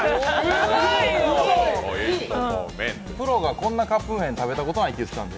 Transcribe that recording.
プロがこんなカップ麺、食べたことないって言ってたんで。